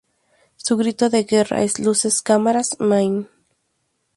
Su grito de guerra es "Luces, Cámara, Mayhem!